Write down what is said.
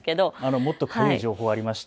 もっとかゆい情報がありまして